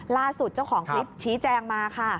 ล่าสุดเจ้าของคลิปฉีดแจงมาค่ะ